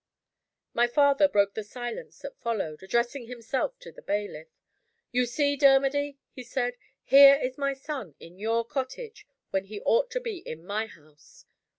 My father broke the silence that followed, addressing himself to the bailiff. "You see, Dermody," he said, "here is my son in your cottage when he ought to be in my house."